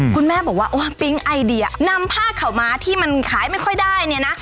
คุณแม่บอกว่าโอ้ปิ๊งไอเดียนำผ้าข่าวม้าที่มันขายไม่ค่อยได้เนี่ยนะ